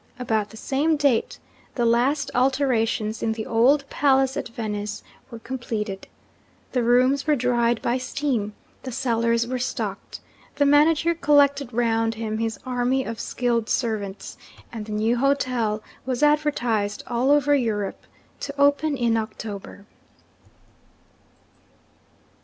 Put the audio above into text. About the same date, the last alterations in the old palace at Venice were completed. The rooms were dried by steam; the cellars were stocked; the manager collected round him his army of skilled servants; and the new hotel was advertised all over Europe to open in October.